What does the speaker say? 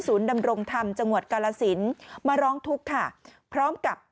ดำรงธรรมจังหวัดกาลสินมาร้องทุกข์ค่ะพร้อมกับ